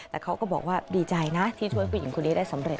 แต่เขาก็บอกว่าดีใจนะที่ช่วยผู้หญิงคนนี้ได้สำเร็